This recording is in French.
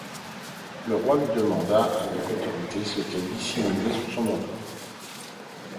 Le roi lui demanda avec autorité ce qu'elle dissimulait sous son manteau.